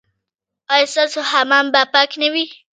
ایا ستاسو حمام به پاک نه وي؟